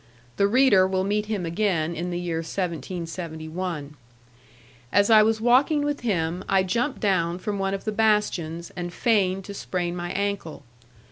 The reader will meet him again in the year 1771. As I was walking with him, I jumped down from one of the bastions, and feigned to sprain my ankle.